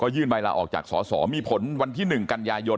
ยื่นใบลาออกจากสอสอมีผลวันที่๑กันยายน